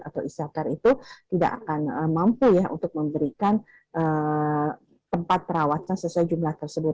atau isyakar itu tidak akan mampu ya untuk memberikan tempat perawatan sesuai jumlah tersebut